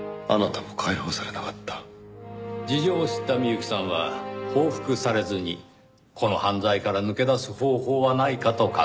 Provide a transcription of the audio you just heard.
事情を知った美由紀さんは報復されずにこの犯罪から抜け出す方法はないかと考えた。